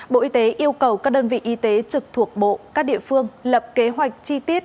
bộ y tế yêu cầu các đơn vị y tế trực thuộc bộ các địa phương lập kế hoạch chi tiết